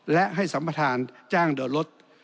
และให้สัมภาษณ์จ้างเดินรถ